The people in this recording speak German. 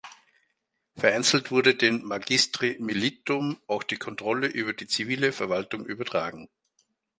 Vereinzelt wurde den "magistri militum" auch die Kontrolle über die zivile Verwaltung übertragen.